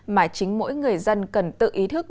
mà chính mỗi người dân cần tự ý thức